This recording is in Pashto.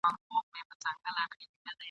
څه کورونه به ورانیږي او لوټیږي !.